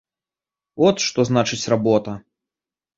От што значыць работа!